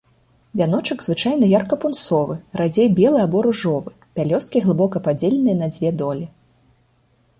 Вяночак звычайна ярка-пунсовы, радзей белы або ружовы, пялёсткі глыбока падзеленыя на дзве долі.